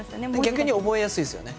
逆に覚えやすいですよね。